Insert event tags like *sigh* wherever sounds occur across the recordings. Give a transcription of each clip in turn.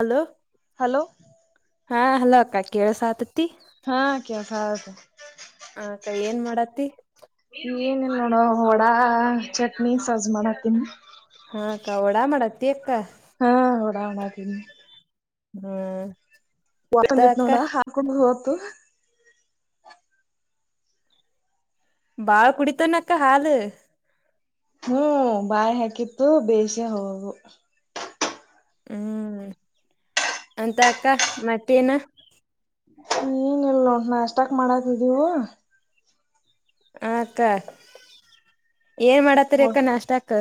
Hello hello ಹಾ hello ಅಕ್ಕ ಕೇಳಸಾತತಿ?? ಹೌದು ಆ ಕೈ ಏನ್ ಮಾಡತಿ ಏನಿಲ್ಲ ನೋಡ ವಡಾ ಚಟ್ನಿ ಸಸ್ ಮಾಡತ್ತನ್ ಹಾಕ ವಾಡಾ ಮಾಡತ್ತ ಅಕ್ಕ ಹಾ ಹೊಡಾವಣಾ ತಿನ ಹ್ಮ್ ಮತ್ತ *unintelligible* ದಿತ್ ಅಕ್ಕ ನೋಡ ಹಾಕೊಂಡು ಹೋತು ಬಾಳ ಕುಡಿತ ನಕ್ಕ ಹಾಲ ಹ್ಮ್ ಬಾಯಿ ಹಾಕಿತ್ತು ಬೇಯಸ್ಯ ಹೋಗವು ಹ್ಮ್ ಅಂತ ಅಕ್ಕ ಮತ್ತೇನ ಏನಲ್ಲ ನೋಡ್ ನಷ್ಟಕ್ ಮಾಡಕಿದೀವು ಅಕ್ಕ ಏನ್ ಮಾಡತ್ತರಿ ಅಕ್ಕ ನಾಷ್ಟ ಅಕ್ಕ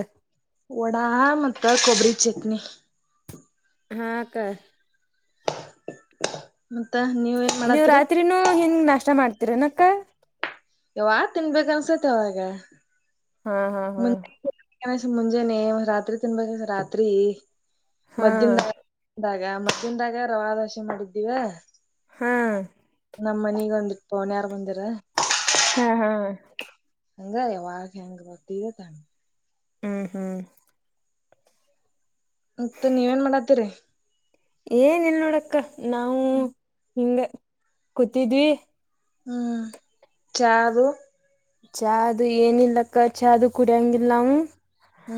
ವಡಾ ಮತ್ತ ಕೊಬ್ಬರಿ ಚಟ್ನಿ ಹಾಕ್ಕ ಹ್ಮ ನೀವ್ ರಾತ್ರಿನೂ ಹೆಂಗ ನಾಷ್ಟ ಮಾಡ್ತೀರನಕ್ಕ ಯಾವಾಗ ತಿನ್ಬೇಕ ಅನ್ಸತೆ ಅವಾಗ ಹಾ ಹಾ ಹಾ ಮುಂಜೆ ಮುಂಜಾನೆ ರಾತ್ರಿ ತಿನ್ಬೇಕ ರಾತ್ರಿ ಹಾ ಮಧ್ಯಾನ್ ಗ ಮದ್ಯಾಹ್ನದಾಗ ರವಾ ದೋಸೆ ಮಾಡಿದ್ದೀವ ಹಾಂ ನಮ್ಮ ಮನೀಗ ಬಂದಿಟ್ಟ ಪೋನ್ ಯಾರು ಬಂದಿ ಹಾ ಹಾ ಹಂಗ್ರ ವಾರ ಹೆಂಗ ಬರ್ತರ ತಾನ ಹ್ಮ್ ಹ್ಮ್ ಮತ್ತ ನೀವ ನ್ ಮಾಡಾತೀರಿ ಏನ್ ಇಲ್ ನೋಡಕ್ಕ ನಾ ಹ್ಮ್ ಹಿಂಗ ಕೂತಿದ್ವಿ ಹ್ಮ್ ಚಾದು ಚದು ಏನಿಲ್ಲಕ್ಕ ಚಾದು ಕುಡಿಯಂಗಿಲ್ಲ ನವು ಹ್ಮ್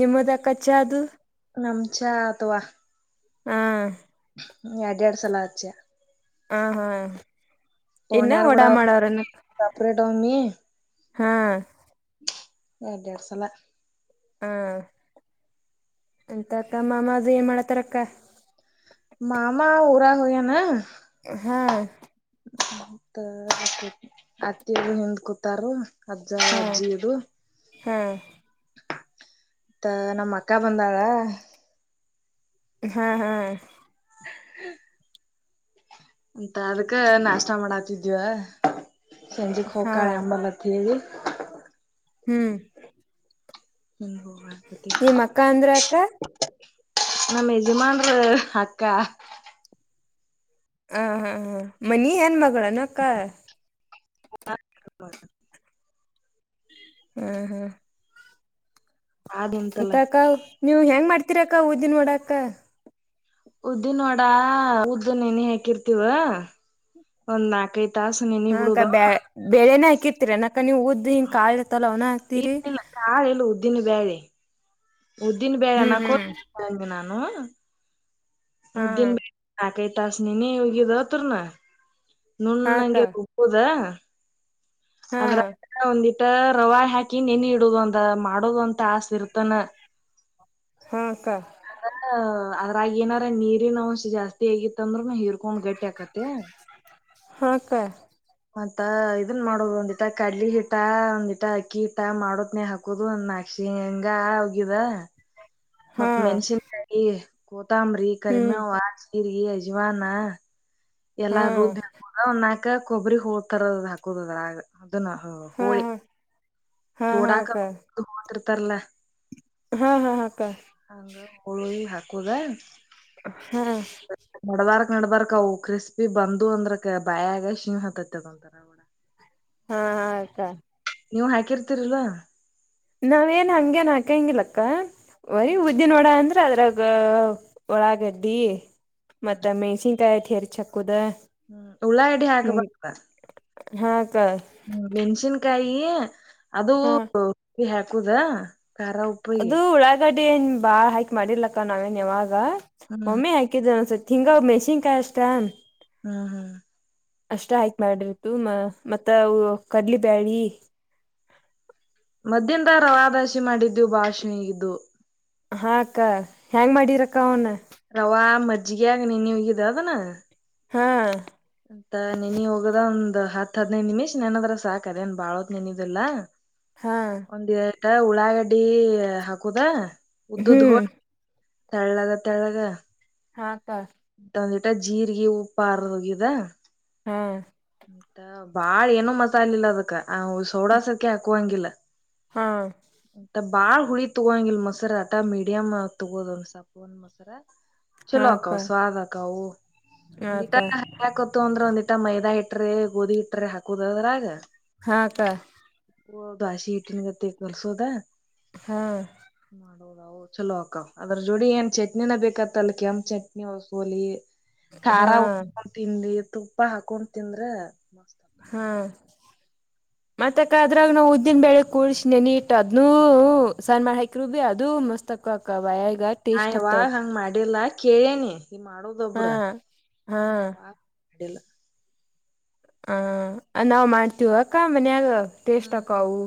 ನಿಮ್ಮದಕ ಚ್ಚ ಅದು ನಮ್ಚ ಅಥವಾ ಹಾ ಹ್ಮ್ ಯಾರ್ಡೆರಡು ಸಲ ಆಚಾ ಹ ಹಾ ಇನ್ನ ಪೋನ್ಯಾರ್ ಕೂಡ ವಡಾ ಮಾಡವ್ರನ್ನ ಸಪ್ರೇಟ್ ಒಮ್ಮಿ ಹಾ ಎರಾಡು ಎರಡ್ ಸಲ ಹಾ ಎಂತ ಅಕ್ಕ ಮಾಮದು ಏನ್ ಮಾಡತಾರ ಅಕ್ಕ ಮಾಮಾ ಊರ ಒಗ್ಯನ ಹಾ ಮ ಅತ್ತಿಗ ಹಿಂದ್ ಕೂತಾರು ಅಜ್ಜ ಹಾ ಅಜ್ಜಿ ಇದು ಹಾ ಮತ್ತ ನಮ್ಮ ಅಕ್ಕ ಬಂದಾಳ ಹಾ ಹಾ ಹಮ್ *unintelligible* ಅಂತ ಅದಕ್ಕ ನಾಷ್ಟ ಮಾಡಾತಿದಿವ. ಸಂಜಿಕ ಹಾ ಹೊಕ್ಕಾಳ ಯಾಂಬಾಲ್ ಅತ ಹೇಳಿ. ಹ್ಮ್. ನಿಮ್ ಅಕ್ಕ ಅಂದ್ರ ಅಕ್ಕ *inaudible* ನಮ್ಮ ಯಜಮನ್ರ ಅಕ್ಕಾ. ಹ ಹಾ ಹಾ ಮನಿ ಹೆಣ್ಣ ಮಗಳ ಏನ್ ಅಕ್ಕ. *inaudible* ಹ ಹ. ಅದಿಂತಲ್ಲ ಮತಕ್ಕಾ ನೀವ್ ಹೆಂಗ್ ಮಾಡ್ತಿೀರಕ್ಕ ಉದ್ದಿನ ವಡಾಕ್ಕ. ಉದ್ದಿನ ವಡಾ ಉದ್ದ ನೇಣಿ ಹಾಕಿರ್ತವ ಒಂದ್ ನಾಲ್ಕ ಐ ಟಾಸ ನೇಣಿ ಹಾ ಬಿಡುದ ಅವನ್. ಅಕ ನೀವ ಉದ್ದ ಹಿಂಗ ಕಾಳ ಇರ್ತ್ತಲ್ಲ ಅವನ ಹಾಕ್ತರಿ. ಇದ್ದಿಲ್ಲ ಕಾಳ್ ಇಲ್ಲ ಉದ್ದಿನ ಬ್ಯಾಳಿ ಉದ್ದಿನ ಬ್ಯಾಳಿ ಅನಾಕ ಹ್ಮ್ ಹೊಗ ಅಂದಿ ನಾನು. ಹಾ ಉದ್ದಿನ ಬ್ಯಾಳಿ ನಾಕ ಐದ ಟಾಸ್ ನೇಣಿ ಉಗಿದು ಅವತುರ್ಣ. ಹಾ ಅಕ್ಕ ನುಣಂಗೆ ರುಬ್ಬುದ. *inaudible* ಹಾ ಅತ ರವ ಹಾಕಿ ನೇಣಿ ಇಡುದು ಒಂದ ಮಾಡೋದು ಅಂತ ಟಾಸ್ ಇರ್ತಾನ. ಹ್ಮ್ ಅಕ್ಕಾ. ಅದ್ರಾಗ ಏನಾರ ನೀರಿನ ಅವಶ ಜಾಸ್ತಿ ಆಗಿತ್ತ ಅಂದ್ರೂ ನ ಹಿರ್ಕೊಂಡ್ ಗಟ್ಟಿ ಆಕತ್ತ. ಹ ಅಕ್ಕಾ. ಮತ್ತ ಇದನ್ ಮಾಡೋದು ಒಂದಿಟ ಕಡ್ಲಿ ಹಿಟ ಒಂದಿಟ ಅಕ್ಕಿ ಹಿಟ ಮಾಡತ್ನೇ ಹಾಕೋದು ಅಂದ ನಾಕ್ ಶೇಂಗಾ ಒಗಿದ. ಹಾ ಮತ್ ಮೆಣಸಿನ್ ಕಾಯ ಕೂತಂಬ್ರಿ ಹ್ಮ್ ಕರಿಮೆವ. ಜೀರಿಗಿ ಅಜವಾನ ಹಾ ಎಲ್ಲಾ ರುಬ್ಬಿ ಹಾಕುದ ಒಂದ ನಾಕ್ ನಾಕ ಕೊಬ್ಬರಿ ಹೋಳ್ತರದ ಹಾಕುದ ಅದ್ರ ಅದನ್ನ ಹಾ ಹೋಳಿ. ಹಾ ಹಾ ಚೂಡಾಕ ಅಕ್ಕ ಹೋತಿರ್ತಾರಲ್ಲ. ಹಾ ಹಾ ಅಕ್ಕ ಹಂಗ ಹೋಳಿ ಹಾಕೋದ. ಹ. ನಡಡ್ಬಾರಕ್ವು ಕ್ರಿಸ್ಪಿ ಬಂದು ಅಂದ್ರಕ ಬಾಯಾಗ ಶಿಂಗ್ ಹತ್ತತ್ತದ ಅಂತಾರ ಅವ. ಹ ಹ ಅಕ್ಕಾ. ನೀವು ಹಾಕಿರ್ತಿರ ಇಲ್ಲೋ. ನಾವ ಏನ್ ಹಂಗಗೆನ್ ಹಾಕಂಗಿಲ್ಲಕ್ಕ ವರಿ ಉದ್ದಿನ ವಡಾ ಅಂದ್ರ. ಅದ್ರಾಗ ಉಳಾಗಡ್ಡಿ ಹ್ಮ್ ಮತ್ತ ಮೆಣ್ಸಿನ್ಕಾಯಿ ಅಟ್ ಹೆರಿಚಿ ಹಾಕೋದ. ಹ್ಮ್ ಉಳ್ಳಾಗಡ್ಡಿ ಹಾಕ್ ಬಕ್ ಹಾ ಅಕ್ಕ ಹ್ಮ ಬೆೆಣ್ಸಿನ್ಕಾಯಿ ಅದು ಹಾ ರುಬ್ಬಿ ಹಾಕುದಾ. ಕಾರಾ ಉಪ್ಪಿಗೆ. ಗಡ ಏನ್ ಬಾ ಹಾಕಿ ಮಾಡಿರ್ಲಕ್ಕ ನಾವೇನ್ ಯಾವಾಗ ಹ್ಮ್ ಒಮ್ಮೆ ಹಾಕಿದ ಅನ್ಸ ಹಿಂಗ ಮೆಸಿನ್ಕಾಯಿ ಅಷ್ಟಾ. ಹ್ಮ್ ಹ್ಮ್. ಅಷ್ಟ ಹಾಕಿ ಮಾಡಿರ್ತು ಮ ಮತ್ತ ಕಡ್ಲಿ ಬ್ಯಾಳಿ. ಮದ್ದಿಂದಾಗ ರವಾದಾಸಿ ಮಾಡಿದ್ದೀವು ಬಾಳ್ ಶಿವ್ಯ ಆಗಿದ್ದು. ಹಾಕ್ಕ ಹೆಂಗ ಮಾಡಿರಕ್ಕ ಅವನ್. ರವಾ ಮರ್ಜ ಯಗ ನೀ ಇ ಉ ದದಾನ ಹಾ ಅಂತ ನೇಣಿ ಹೋಗದ ಒಂದ್ ಹತ್ ಹದ್ನೈದು ನಿಮಿಷ್ ನೆನದ್ರ ಸಾಕ ಅದೇನ್ ಬಾಳತ್ ನೆನಿದಲ್ಲಾ. ಹಾ. ಮತ್ತ ಉಳ್ಳಾಗಡ್ಡಿ ಹಾಕುದ. ಹ್ಮ್. ತಳ್ಳಗ ತೆಳ್ಳಗ. ಹಾಕ್ಕಾ. ಒಂದಿಟ ಜೀರ್ರಿಗೆ ಉಪ್ಪ ಅರದ ವಗ್ಯುದ. ಹ್ಮ್. ಮತ್ತಾ ಬಾಳ್ ಏನು ಮಸಾಲೆ ಇಲ್ಲ ಅದಕ್ಕ ಸೋಡಾ ಸಕೆ ಹಾಕುವಂಗಿಲ್ಲ ಹಾ ಮತ್ತ ಬಾಳ್ ಹುಳಿ ತೊಗೋಂಗಲ್ ಮೊಸರ ಅಟಾ ಮೀಡಿಯಮ್ ತಗೋದ ಒಂದ್ ಸಪ್ಪ ಒಂದ್ ಮೊಸರ ಹಾ ಚಲೋ ಆಕ್ಕಾ ಅಕ್ಕ ಸ್ವಾದ ಆಕಾ ಹಾ ಒಂದಿಟ ಅಕ್ಕ ಹರಿಕತ ಅಂದ್ರ ಒಂದಿಟ ಮೈದಾ ಇಟ್ರೆ ಗೋಧಿ ಇಟ್ರ ಹಾಕುದದ್ರಾಗ ಹಾ ಸ ಹಓ ಹೌದು ಆಶಿ ಇಟ್ಟನ್ ಗತ್ತ ಕಲ್ಸೋದ ಹಾ ಹೌದ ಚಲೋ ಅಕ್ಕ ಅದ್ರ ಜೋಡಿ ಏನ್ ಚಟ್ನಿನ ಬೇಕತ್ತ ಅಲ್ಲಿ ಕೆಂಪ ಚಟ್ನಿ ಸೋಲಿ ಖಾರ ಹಾ ಉಡ್ಕೊಂಡು ತಿನ್ಿ ತುಪ್ಪ ಹಾಕೊಂಡ್ ತಿಂದ್ರೆ ಮಸ್ತ್ ಅಕ್ಕವ್ ಹಾ ಮತ್ತಕ್ಕ ಅದ್ರಾಗ ನಾವವು ಉದ್ದಿನ ಬೆಳಗ್ ಕೂರ್ಸಿನೆ ನೀಟ್ದ್ನುೂ ಸಣ್ಣ ಮಾಡ ಹಾಕರು ಬಿೀ ಅದು ಮಸ್ತಕ ಕವ ನಾ್ವಾಗ ಹಂಗ ಮಾಡಿಲ್ಲ ಕೇಳೇನಿ ಈ ಹಾ ಮಾಡೋದೊಬ್ರ ಹಾ ಇಡಲ್ಲ ಹ ನಾವ್ ಮಾಡ್ತೀವ ಅಕ್ಕ ಮನ್ಯಾಗ ಟೇಸ್ಟ್ ಹ್ಮ್ ಹ್ಮ್ ಅಕವು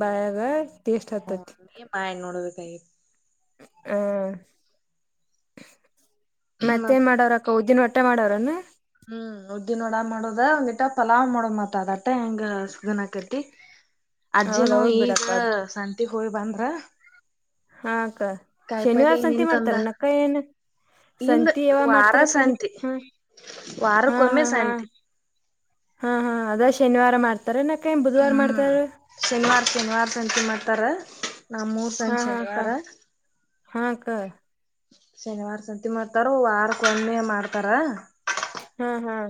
ಹೌ ಬಾಯಾಗ ಟೇಸ್ಟ್ ಹತತ್ ನೋಡ ಕೈ ಹ್ಮ ಮತ್ ಮತ್ತೆನ್ ಮಾಡೋ್ರಕ್ಕ ಉದಿನ ಬಟ್ಟೆ ಮಾಡೋ್ರನ್ನು ಹ್ಮ್ ಉದ್ದಿನೋಡ ಮಾಡೋದ ಒಂಗಿಟ ಪಲಾವ್ ಮಾಡೋ ಮಾತ ಅದಟ ಹೆಂಗ ಸಗನ್ ಆಕತಿ ಹ ಅಜ್ಜಿನು ಈಗ ಸಂತಿ ಹೋಯಿ ಬಂದ್ರ ಹಾ ಅಕ್ಕ ಶನಿವಾರ ಕಾಯಿಪಲ್ಲೆ ಸಂತ ಏನೇನ್ ಮಾಡ್ತಾರ ತಂದಾರ. ನಕ್ಕ ಏನು ಇಂದ ಸಂತಿ ಯಾವ ವಾರ ಮಾಡ್ತಾರಕ್ಕ ನೀ ಸಂತಿ ಹ ಹಾ ವಾರಕ್ಕೊಮ್ಮೆ ಹಾ ಹಾ ಸಂತಿ ಹಾ ಹಾ ಅದ ಶನಿವಾರ ಮಾಡ್ತ ಹ್ಮ್ ಶನಿವಾರ್ ಶನಿವಾರ ಸಂತ ಮಾಡ್ತಾರ ನಾ ಹಾ ಹಾ ಅಕ್ಕ ಮೂೂರ್ತ್ತಂಜನಿವಾರ ಹಾ ಅಕ್ಕ ಶನಿವಾರ ಸಂತ ಮಾಡ್ತಾರ ವಾರಕ್ ಒಮ್ಮೆ ಮಾಡ್ತಾರ ಹ್ಮ್ ಹಾ್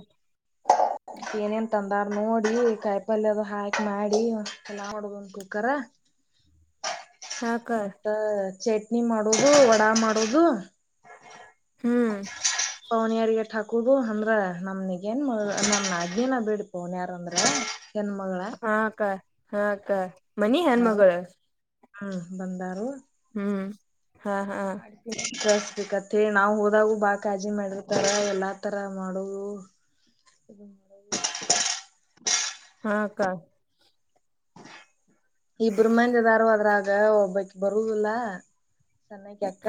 ಏನೇನ್ ತಂದಾರ್ ನೋಡಿ ಕಾಯಿಪಲ್ಯ ಅದು ಹಾಕಿ ಮಾಡಿ ಎಲ ಹೊಡದ್ ಒಂದ ಕುಕ್ಕರ್ ಹಾ ಅಕ್ಕ ಮತ್ತ ಚಟ್ನಿ ಮಾಡೋುದು ವಡಾ ಮಾಡೋುದು ಹ್ಮ್ ಪವನ ಯಾರಗಟ್ ಹಾಕುದು ಅಂದ್ರ ನಮನಗ ಏನ್ ನಮ ಅಜ್ೇನ ಬಿೇಡ್ ಪವನ ಯಾರ್ ಅಂದ್ರ ಹೆಣ್ಮಗಳ ಹಾಕ್ಕ ಹಾಕ್ಕ ಮನಿ ಹೆನ್ ಯಾರು ಮಗಳ ಹ್ಮ್ ಬಂದಾರು ಹ್ಮ್ ಹಾ ಹಾ ಕಸ್ ಬಿಕತ್ತ ನಾವ್ ಹೋದಾಗ ಬಾ ಕಜಿ ಮಾಡಿರ್ತಾರ ಎಲ್ಲಾ ತರ ಮಾಡೋುದು ಮಾರ *inaudible* ಹಾಂ ಅಕ್ಕ ಇಬ್ಬ್ರ ಮಂದದಾರು ಅದ್ರಾಗ ಒಬ್ಬಕ್ ಬರುದಿಲ್ಲ ಚನ್ನೈಗ್ ಯಕ್ಕ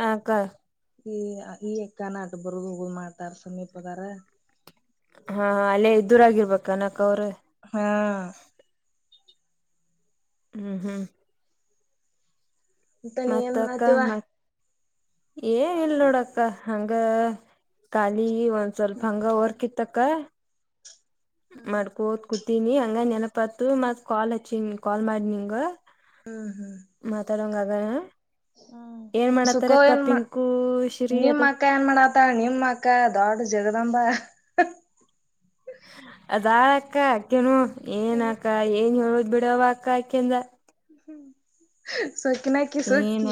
ಹಕ್ಕ ಈ ಈ ಎಕ್ಕ ನ ಆಟ ಬರುದು ಹ ಮಾಡ್ತಾರ ಸಮೀಪದಾರ ಹಾ ಅಲ್ಲೇ ಇದದುರ ಆಗರ್ಬೇಕ ನಕ್ ಅವ್ರ ಹಾ ಹ್ಮ್ ಹ್ಮ್ ಂತ ನೀ ಎ ಮತಿವ ಏ ಇಲ್ ನೋಡಕ್ಕ ಹಂಗ ಖಾಲಿ ಒ ಒಂದ್ ಸ್ವಲ್ಪ ಹಂಗ ಹೊೋರ್ಕಿತ್ತಕ್ಕ ಮಾಡ್ಕೋದ ಕುೂತಿನಿ ಹಂಗ ನೆನಪತ್ ಮತ್ ಕಾಲ್ ಹಚ್ಚ ಕಾಲ್ ಮಾಡಿ ನಿಂಗ ಹ್ಮ್ ಹ್ಮ್ *unintelligible* ಏನ್ ಹ್ಮ ಸುಖ ಮಾಡತ್ತಾರಕ್ಕ ಏನ್ಮ್ಮ ಪಿಂಕು ಶ್ರೀ ಅದು ಅಕ್ಕ ಏನ್ ಮಾಡಾಅತಳ ನಿಮ್ ಅಕ್ಕ ದೊಡ್ ಜಗದಾಮಂಬ ಅದಾಳ ಅಕ್ಕ ಅಕ್ಕೇನು ಏನ ಅಕ್ಕ ಏನ್ ಹೇಳು ಬಿಡವ ಅಕ್ಕ ಅಕೆಂದ ಸಕಿ ನಕಿ ಏನ ಸಕಿ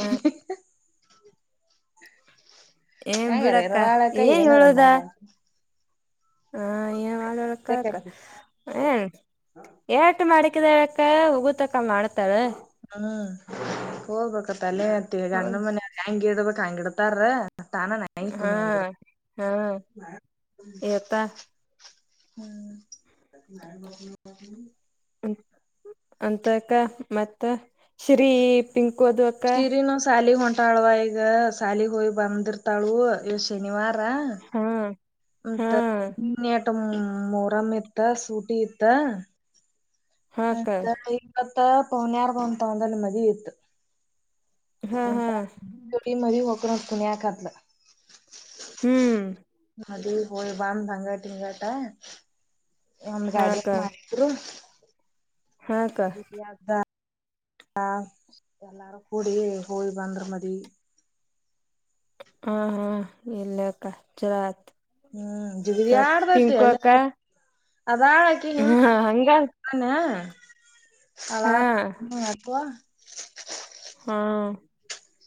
ಏನ್ ಹೆಂಗಾರ ಬಿಡಕ್ಕ ಎರವಾಳಕ ಏನ್ ಏನಾರ ಹೇಳೋದ ಮಾಡ ಹಾ ಏನ್ ಮಾಡಳಕ್ಕಕ್ಕ ಏನ್ ಏಟು ಮಾಡಿ ಹೋಗುತಕ್ಕ ಮಾಡದ್ ಹ್ಮ್ ಹೋಗ್ಬೇಕ ತಲೆಅತ್ತಿ ಗಂಡನ್ ಮನೆ ಹೆಂಗೆ ಇದ್ಬಿಟ್ *unintelligible* ತಾನ ನಾಯಿ ಹಾ ಕುಣ್ಣಿ ಹಂಗಿರು ಹಾ ಏತ ಹ್ಮ್ ಅಂತಕ್ಕ ಮತ್ತ ಶ್ರೀ ಪಿಂಕೋದು ಅಕ್ಕ ಶಿರಿನ ಸಾಲಿ ಹೊಂಟ ಇರ್ತಾಳವ ಈಗ ಸಾಲಿಗೆ ಹೋಗಿ ಬಂದಿರ್ತಾಳುವ ಇವತ್ ಶನಿವಾರ ಹಾ ಹಾ *unintelligible* ಮೊರಮ್ ಇತ್ತ ಸೂಟಿ ಇತ್ತ ಹಾಕ್ಕ ಹತ್ತ ಇಪ್ಪತ ಪೌನ್ಯಾರ್ ಬಂದ್ ತಕೊಂದು ಹೋಗನ ಮದ್ವೆ ಇತ್ತು ಹ್ಮ್ ಅಂತ ಹ್ಮ್ *unintelligible* ಹ್ಮ್ ಅದು ಹೋಯಿ ಬಂದ ಹಂಗಟ ಹಿಂಗಟ ಒಂದ್ ಗಾಡಿ ಹಾಕ್ಕ ಮಾಡಿದ್ರು ಹಾಕ್ಕ *unintelligible* ಹ ಎಲ್ಲಾರು ಕೂಡಿ ಹೋಯಿ ಬಂದ್ರು ಮದ್ವೆ ಹಾ ಹಾ ಇಲ್ಲೆ ಅಕ್ಕ ಚಲೋ ಆಯ್ತು ಹ್ಮ್ *unintelligible* ಅಲ್ಲೆ ಅದಾಳ ಅಕಿಗ್ ಹಾ ಹಂಗ *unintelligible* ಹಾ *unintelligible*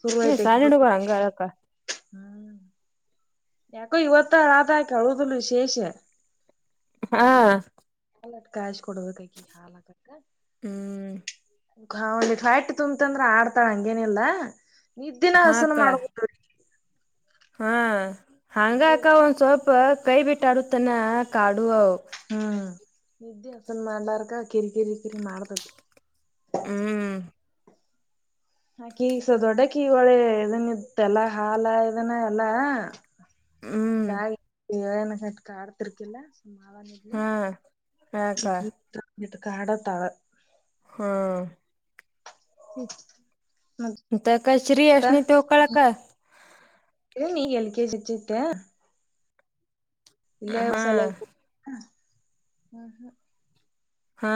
ಶುರು ಐತಿ ಆಕಿ *unintelligible* ಹ್ಮ್ ಯಾಕೋ ಇವತ್ತ ಆದಾಯಕ ಉಳುದಲು ವಿಶೇಷ ಹಾ *unintelligible* *unintelligible* ಹ್ಮ್ ತುಂಬತ್ ಅಂದ್ರ ಆಡ್ತಾಳ ಹಂಗೇನಿಲ್ಲಾ ನಿದ್ದಿನ ಹಾಸುನ ಹಾಕ್ಕ ಮಾಡ್ಬುಟು ನೋಡಿ ಹಾ ಹಂಗ ಅಕ ಒಂದ್ ಸ್ವಲ್ಪ ಕೈ ಬಿಟ್ಟ ಆಡುತನ ಕಾಡು ಅವು ಹ್ಮ ನಿದ್ದೆ ಹಾಸನ್ ಮಾಡಲಾರ್ದ ಕಿರಿ ಕಿರಿ ಕಿರಿ ಮಾಡ್ತತಿ *inaudible* ಹ ಕೀಸ ದೊಡ್ಡ ಕೀಗಳೆ ಇದನ್ ಇತ್ತೆಲ್ಲಾ ಹಾಲ ಇದನ ಎಲ್ಲಾ ಹ್ಮ್ ಹಾಗಿನಟ್ ಕ ಆಡ್ತಿರ್ಕಿಲ್ಲ ಸ ಮಾವನಿದ್ಲಿ ಹಾ ಅಕ್ಕ *inaudible* ಹಾಂ ಮತ್ತ *unintelligible* *unintelligible* ನೀ ಎಲ್ ಕೆ ಜ್ *unintelligible* ಇಲ್ಲ ಹಾ ಶಾಲೆಗೂ *unintelligible* ಹಾ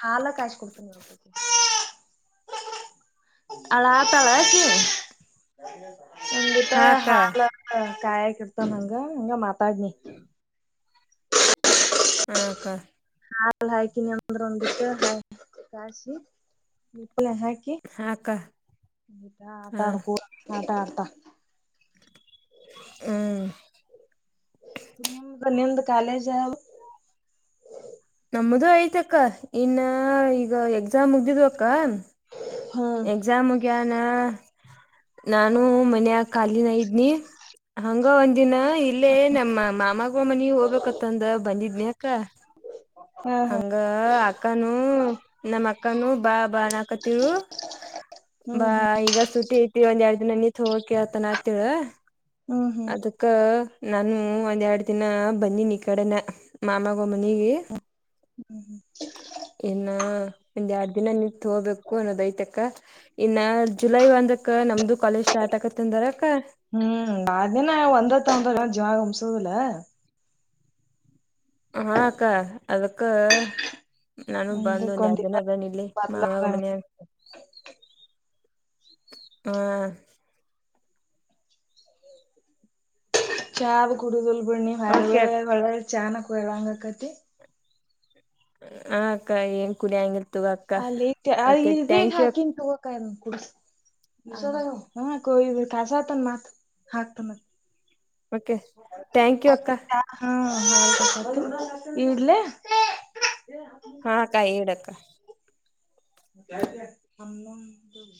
ಹಾಲ ಕಾಯಿಸ್ ಕೊಡ್ತೀನಿ *unintelligible* ಅಳತಳಕ್ಕೆ ಒಂದಿಟ್ಟ ತ ಹಾಕ್ಕ ಹಾಲ ಕಾಯಾಕ ಇರ್ತನ್ಂಗ ಹಂಗ ಮಾತಾಡ್ನಿ ಹಕ್ಕ ಹಲ್ ಹಾಕನಿ ಅಂದ್ರ ಒಂದಿಟ್ಟ ಹ ಕಸಿ ಹಾಕಿಊ ಹಾಕ್ಕ ಹ ಆಟಾ ಆಡ್ಕೋ ಆಟಡ್ ತ್ತ ಹ್ಮ್ ನಿಮ್ದ ನಿಮ್ದ ಕಾಲೇಜ ಯಾವದೂ ನಮ್ಮ್ದ ಐತ ಅಕ್ಕ ಇನ್ನ ಈಗ ಎಕ್ಸಾಮ್ ಮುಗ್ದಿದ್ವಕ್ಕ ಹಾ ಎಕ್ಸಾಮ್ಗ್ಯಾನ ನಾನು ಮನ ಕಖಾಲಿನ ಇದನೀ ಹಂಗ ಒಂದ ದಿನ ಇಲ್ಲೇ ನಮ್ಮ ಮಾಮ ಹ ಮನಿಗ್ ಹೋಗ್ಬೇಕತ್ತಂದ ಬಂದಿದ್ನ ಅಕ ಹಾ ಹಾ ಹಂಗ ಅಕ್ಕನುೂ ನಮ್ಮ ಅಕ್ಕನುೂ ಬಾ ಬಾ ನಕ ತಿಳ ಹ್ಮ್ ಬಾ ಹ್ಮ್ ಈಗ ಸುಟಿ ಐತಿ ಒಂದ್ ಎರಡು ನನತ್ ಹೋಗಿ ಕತನ ಆ ತಿಳ ಹ್ಮ್ ಹ್ಮ್ ಅದಕ್ಕ ನಾನು ಒಂದ್ ಎರಡು ದಿನ ಬನ್ನಿನಿ ಈ ಕಡೆನ ಮಾಮಗ ಮನಿಗೆ ಎನ್ನ ಒಡು ದಿನ ನಿತ್ ಹೋಬೇಕು ಅನ್ನೋದ ಐತಕ್ಕ ಇನ್ನ ಜುಲೈ ಒಂದಕ್ಕ ನಮ್ದು ಕಾಲೇಜ್ ಸ್ಟಾರ್ಟ್ ಆಗತ್ತ ಅಂದರಕ್ಕ ಹ್ಮ್ ಆದನಿನ ಒಂದ್ರ ತೊಂದ್ರ ಜವಾಗ ಹಮ್ಸುದಿಲ್ಲ ಹಾ ಅಕ್ಕಾ ಅದಕ್ಕ ನಾನು ಬಂದ ಒಂದ ಎರಡ್ ಅದಕ್ಕೊಂದ ಜನನ್ ಇಲ್ಲಿ ಮಾವಾಗ ಬರ್ಲಾರಂಗ ಮನ್ಯಾಗ ಹಾ ಚಾವ ಕುಡದಲ್ ಬ್ಣಿ ಹಳ್ಳ ಓಕೆ ಅಕ್ಕ ವಳ್ಳ ಚಾನ ಕೊಯಾಂಗ ಕತ್ತ ಹ ಅಕ್ಕ ಏನ್ ಕುಡಂಗಿರ್ತ ಅಲ್ಲಿ ಇೇನ್ ಹಾಕಿನ್ ತಗೋಕ ಹ ಕಯ ಕಸ ಆತನ್ ಮತ್ ಹಾಕ್ತನ್ ಮತ್ ಓಕೆ ಥ್ಯಾಂಕ್ ಯು ಅಕ್ಕ ಹ ಹ ಇಡ್ಲ ಹಾಕ್ಕ ಹೇಳಡಕ್ಕ ನ